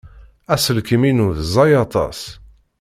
Aselkim-inu ẓẓay aṭas.